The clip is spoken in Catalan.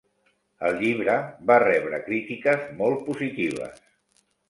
El llibre va rebre crítiques molt positives.